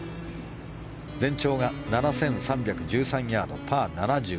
全長が７３１３ヤードパー７２。